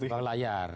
di belakang layar